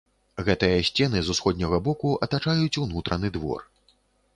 Гэтыя сцены з усходняга боку атачаюць унутраны двор.